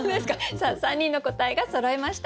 さあ３人の答えがそろいました。